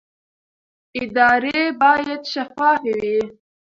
ادارې باید شفافې وي